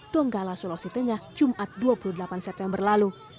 donggala sulawesi tengah jumat dua puluh delapan september lalu